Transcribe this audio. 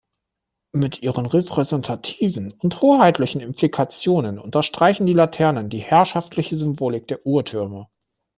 Mit ihren repräsentativen und hoheitlichen Implikationen unterstreichen die Laternen die herrschaftliche Symbolik der Uhrtürme.